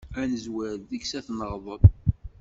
Ad nezwir deg-s ad t-neɣḍel.